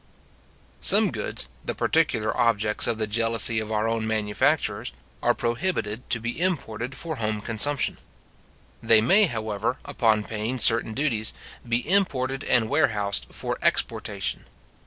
Some goods, the particular objects of the jealousy of our own manufacturers, are prohibited to be imported for home consumption. They may, however, upon paying certain duties, be imported and warehoused for exportation.